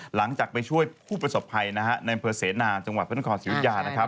หลังจากไปช่วยผู้ประสบภัยนะฮะในอำเภอเสนาจังหวัดพระนครศิริยานะครับ